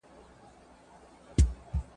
زړورتيا او جګړه ستايل کيده.